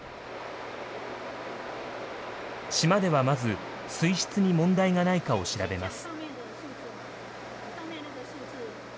島ではまず、水質に問題がないかを調べます。